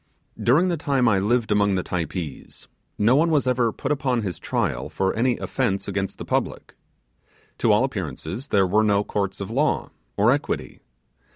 During the time I lived among the Typees, no one was ever put upon his trial for any offence against the public. To all appearance there were no courts of law or equity.